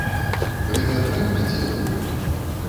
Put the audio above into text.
Гэта дрэнна ці добра?